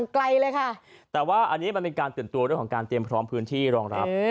ไกลเลยค่ะแต่ว่าอันนี้มันเป็นการตื่นตัวเรื่องของการเตรียมพร้อมพื้นที่รองรับ